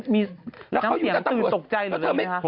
น้ำเสียงตื่นตกใจหรืออะไรนะครับ